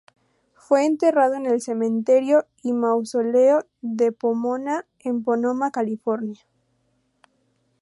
Fue enterrado en el Cementerio y Mausoleo de Pomona en Pomona, California.